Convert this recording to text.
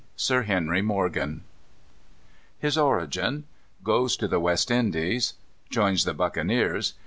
Sir Henry Morgan His Origin. Goes to the West Indies. Joins the Buccaneers.